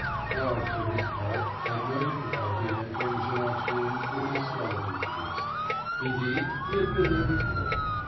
Clarke, for his part, had no difficulty in entering Janoc's room with his skeleton keys indeed, he had been there before!